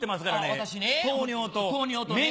私ね。